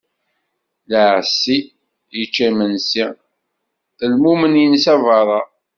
Lɛaṣi ičča imensi, lmumen insa beṛṛa.